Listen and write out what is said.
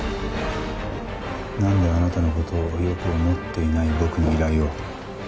なんであなたの事をよく思っていない僕に依頼を？